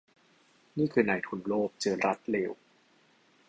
นี่คือนายทุนโลภเจอรัฐเลว